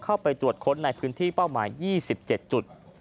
เข้าไปตรวจค้นในพื้นที่เป้าหมาย๒๗จุด